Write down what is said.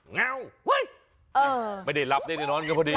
งัวไม่ได้ลับได้ดีนอนก็พอดี